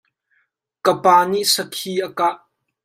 Ka pa nih sakhi a kah.